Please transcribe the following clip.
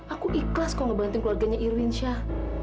aku ikhlas kok ngebantuin keluarganya irwin syah